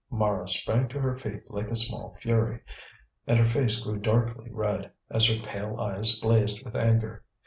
Mara sprang to her feet like a small fury, and her face grew darkly red, as her pale eyes blazed with anger.